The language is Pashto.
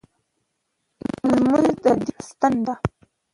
لمونځ د دین ستن ده.